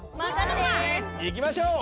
いきましょう。